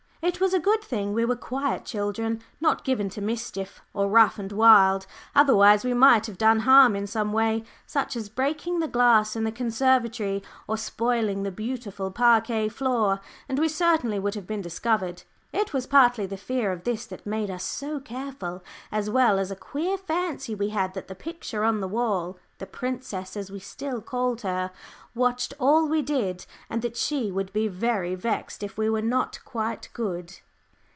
It was a good thing we were quiet children, not given to mischief, or rough and wild, otherwise we might have done harm in some way, such as breaking the glass in the conservatory, or spoiling the beautiful "parquet" floor. And we certainly would have been discovered. It was partly the fear of this that made us so careful, as well as a queer fancy we had that the picture on the wall the princess, as we still called her watched all we did, and that she would be very vexed if we were not quite good.